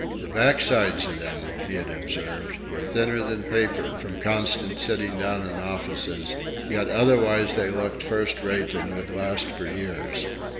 The backsides of them he had observed were thinner than paper from constant sitting down in offices, yet otherwise they looked first rate and would last for years.